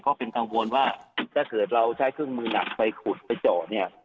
เขาเป็นกังวลว่าถ้าเกิดเราใช้เครื่องมือหนักไปขุดไปเจาะเนี่ย